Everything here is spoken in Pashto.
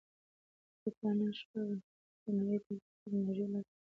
زه به نن شپه د نړۍ د وروستیو ټیکنالوژیکي لاسته راوړنو په اړه ولولم.